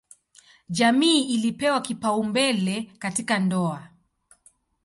Jamii ilipewa kipaumbele katika ndoa.